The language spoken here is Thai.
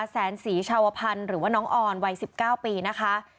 แสนศรีชาวพันธ์หรือว่าน้องออนวัย๑๙ปีนะคะ